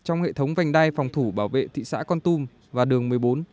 trong hệ thống vành đai phòng thủ bảo vệ thị xã con tum và đường một mươi bốn